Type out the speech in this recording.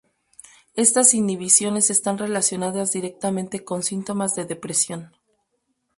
Estas inhibiciones están relacionadas directamente con síntomas de depresión.